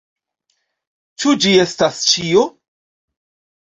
Ĉu ĝi estas ĉio?